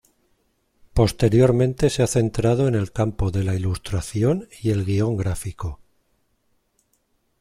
Posteriormente se ha centrado en el campo de la ilustración y el guion gráfico.